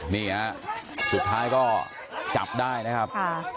นี่ฮะสุดท้ายก็จับได้นะครับ